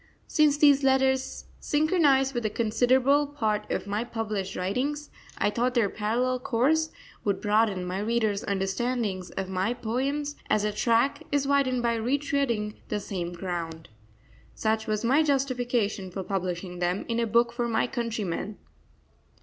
Since these letters synchronise with a considerable part of my published writings, I thought their parallel course would broaden my readers' understanding of my poems as a track is widened by retreading the same ground. Such was my justification for publishing them in a book for my countrymen.